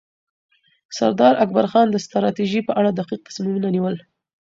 سردار اکبرخان د ستراتیژۍ په اړه دقیق تصمیمونه نیول.